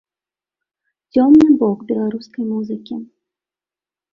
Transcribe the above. Цёмны бок беларускай музыкі.